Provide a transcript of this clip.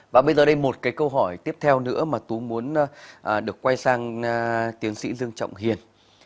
và bây giờ đây một cái câu hỏi tiếp theo nữa mà tú muốn được quay sang tiến sĩ dương trọng hiền